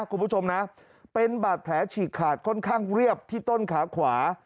คุณผู้ชมนะเป็นบาดแผลฉีกขาดค่อนข้างเรียบที่ต้นขาขวา